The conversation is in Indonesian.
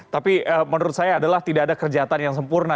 tapi menurut saya adalah tidak ada kejahatan yang sempurna